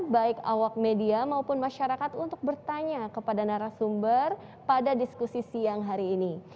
baik awak media maupun masyarakat untuk bertanya kepada narasumber pada diskusi siang hari ini